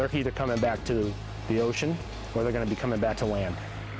ketika mereka akan kembali ke laut atau mereka akan kembali ke tanah